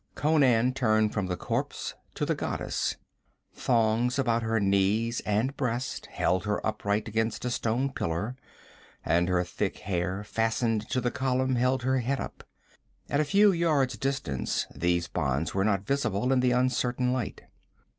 Conan turned from the corpse to the goddess. Thongs about her knees and breast held her upright against a stone pillar, and her thick hair, fastened to the column, held her head up. At a few yards' distance these bonds were not visible in the uncertain light.